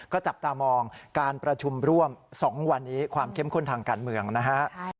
ก็จับตามองการประชุมร่วม๒วันนี้ความเข้มข้นทางการเมืองนะฮะ